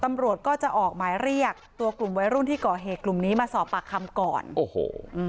ตำรวจก็จะออกหมายเรียกตัวกลุ่มวัยรุ่นที่ก่อเหตุกลุ่มนี้มาสอบปากคำก่อนโอ้โห